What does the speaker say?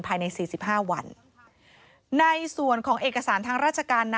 โปรดติดตามต่างกรรมโปรดติดตามต่างกรรม